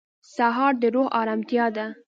سهار د روح ارامتیا ده.